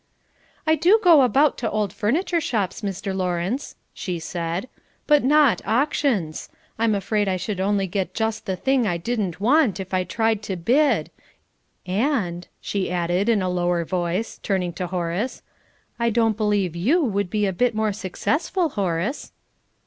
"I do go about to old furniture shops, Sir Lawrence," she said, "but not auctions. I'm afraid I should only get just the thing I didn't want if I tried to bid.... And," she added, in a lower voice, turning to Horace, "I don't believe you would be a bit more successful, Horace!"